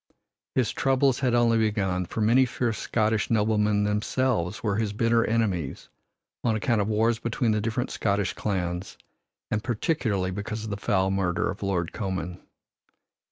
His troubles had only begun, for many fierce Scottish noblemen themselves were his bitter enemies on account of wars between the different Scottish clans, and particularly because of the foul murder of Lord Comyn.